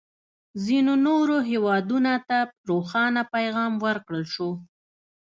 ځینو نورو هېوادونه ته روښانه پیغام ورکړل شو.